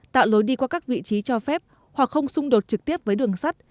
tạo lối đi qua các vị trí cho phép hoặc không xung đột trực tiếp với đường sắt